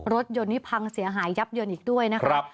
รถยนต์ที่พังเสียหายยับยนต์อีกด้วยนะคะ